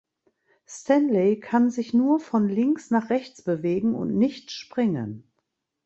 Stanley kann sich nur von links nach rechts bewegen und nicht springen.